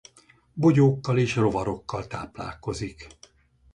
Bogyókkal és rovarokkal táplálkozik.